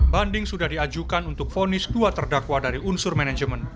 banding sudah diajukan untuk fonis dua terdakwa dari unsur manajemen